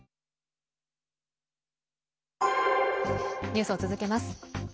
ニュースを続けます。